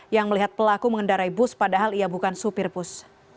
yang melihat pelaku mengendarai bus padahal ia bukan supir bus